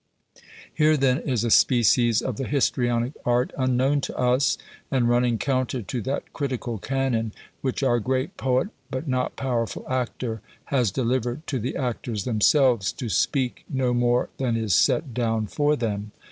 Here, then, is a species of the histrionic art unknown to us, and running counter to that critical canon which our great poet, but not powerful actor, has delivered to the actors themselves, "to speak no more than is set down for them."